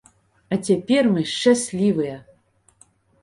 А цяпер мы шчаслівыя.